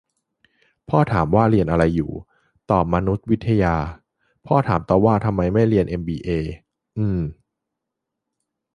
พ่อถามว่า เรียนอะไรอยู่ ตอบ มานุษยวิทยา พ่อถามต่อว่า ทำไมไม่เรียนเอ็มบีเอ ? อืมมม